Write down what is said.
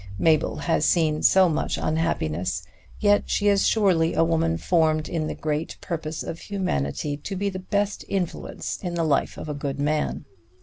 Mabel has seen so much unhappiness, yet she is surely a woman formed in the great purpose of humanity to be the best influence in the life of a good man.